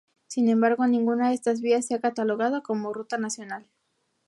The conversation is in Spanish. Sin embargo, ninguna de estas vías se ha catalogado como ruta nacional.